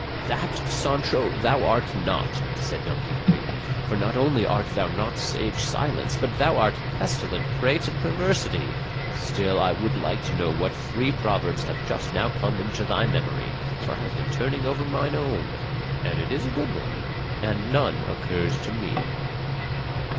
'" "That, Sancho, thou art not," said Don Quixote; "for not only art thou not sage silence, but thou art pestilent prate and perversity; still I would like to know what three proverbs have just now come into thy memory, for I have been turning over mine own and it is a good one and none occurs to me."